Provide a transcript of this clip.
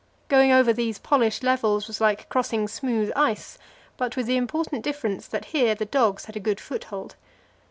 Going over these polished levels was like crossing smooth ice, but with the important difference that here the dogs had a good foothold.